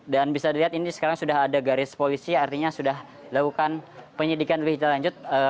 dan bisa dilihat ini sekarang sudah ada garis polisi artinya sudah lakukan penyidikan lebih lanjut